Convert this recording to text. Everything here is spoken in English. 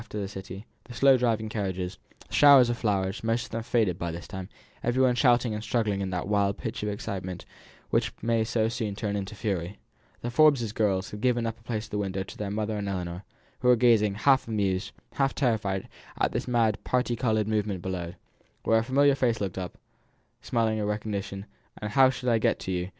Masks and white dominoes, foreign gentlemen, and the riffraff of the city, slow driving carriages, showers of flowers, most of them faded by this time, everyone shouting and struggling at that wild pitch of excitement which may so soon turn into fury. The Forbes girls had given place at the window to their mother and Ellinor, who were gazing half amused, half terrified, at the mad parti coloured movement below; when a familiar face looked up, smiling a recognition; and "How shall I get to you?"